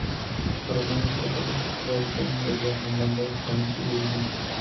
Los romanos, por falsa traducción, le dieron el nombre que aún sigue vigente.